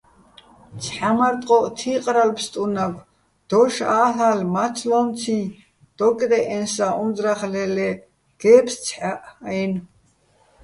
ცჰ̦ა მარ ტყო́ჸ თი́ყრალო̆ ფსტუნაგო̆: დოშ ა́ლ'ალე̆, მაცლო́მციჼ დოკდე́ჸენსაჼ უმძრახ ლელე́ გეფსცჰ̦ა́ჸ-აჲნო̆.